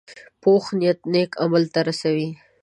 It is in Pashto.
پوخ نیت نیک عمل ته رسوي